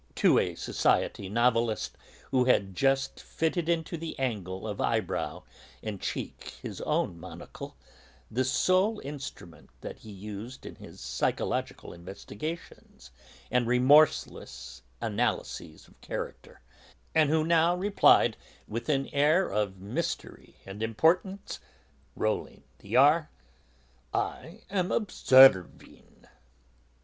to a 'society novelist' who had just fitted into the angle of eyebrow and cheek his own monocle, the sole instrument that he used in his psychological investigations and remorseless analyses of character, and who now replied, with an air of mystery and importance, rolling the 'r': "I am observing!"